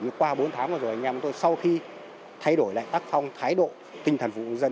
qua bốn tháng vừa rồi anh em tôi sau khi thay đổi lại tác phong thái độ tinh thần phục vụ dân